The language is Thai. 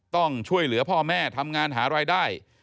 ต้องช่วยเหลือพ่อแม่ทำงานหารายได้